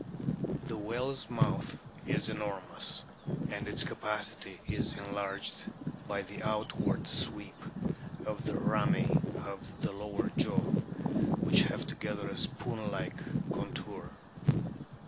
The whale's mouth is enormous, and its capacity is enlarged by the outward sweep of the rami of the lower jaw, which have together a spoon like contour.